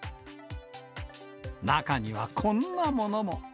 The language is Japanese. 中にはこんなものも。